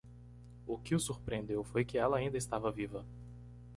O que o surpreendeu foi que ela ainda estava viva.